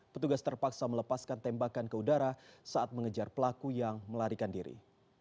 petugas terpaksa melepaskan tembakan ke udara saat mengejar pelaku yang melarikan diri